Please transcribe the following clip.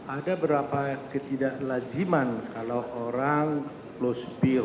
ada berapa ketidaklajiman kalau orang close bill